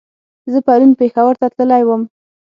زه پرون پېښور ته تللی ووم